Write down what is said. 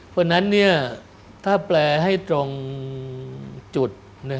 เพราะฉะนั้นถ้าแปลให้ตรงจุด